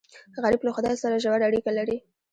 غریب له خدای سره ژور اړیکه لري